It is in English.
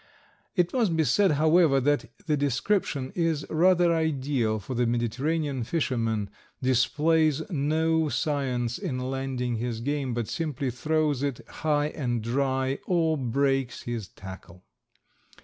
It must be said, however, that the description is rather ideal for the Mediterranean fisherman displays no science in landing his game, but simply throws it high and dry or breaks his tackle.